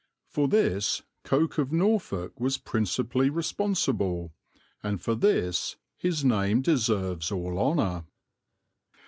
For this Coke of Norfolk was principally responsible, and for this his name deserves all honour.